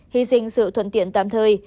hy sinh sự thuận tiện tạm thời